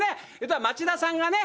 町田さんがね